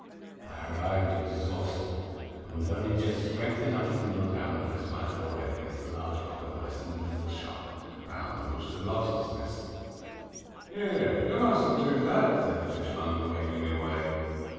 I arrived exhausted, and with only just strength enough to kneel down and press my forehead against the large block of ice in the middle of the shop, round which the lobsters nestled. "Here, you mustn't do that," said the fishmonger, waving me away.